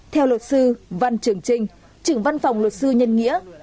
theo luật sư văn trường trinh trưởng văn phòng luật sư nhân nghĩa